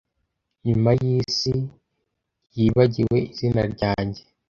Nyuma yisi yibagiwe izina ryanjye,